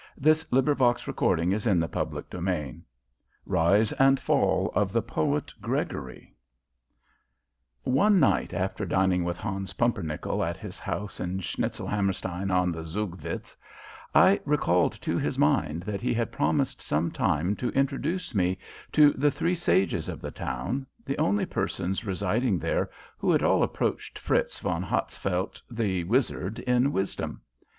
Rise and Fall of the Poet Gregory Rise and Fall of the Poet Gregory [Illustration: Decorative O] ne night after dining with Hans Pumpernickel at his house in Schnitzelhammerstein on the Zugvitz, I recalled to his mind that he had promised some time to introduce me to the three sages of the town the only persons residing there who at all approached Fritz von Hatzfeldt, the wizard, in wisdom.